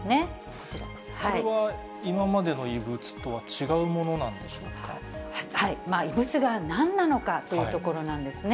これは今までの異物とは、異物がなんなのかというところなんですね。